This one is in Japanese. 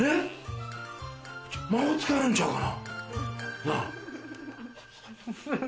魔法使えるんちゃうかな。